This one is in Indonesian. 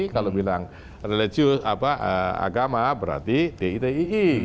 kalau bilang religius agama berarti ditii